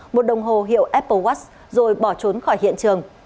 một đồng hồ hiệu apple wats rồi bỏ trốn khỏi hiện trường